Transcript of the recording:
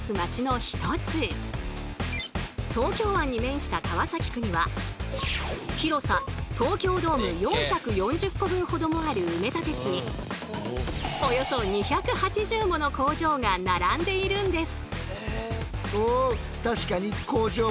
東京湾に面した川崎区には広さ東京ドーム４４０個分ほどもある埋め立て地におよそ２８０もの工場が並んでいるんです。